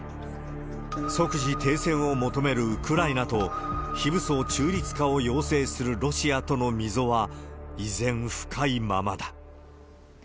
即時停戦を求めるウクライナと、非武装、中立化を要請するロシアとの溝は、依然、深いままだ。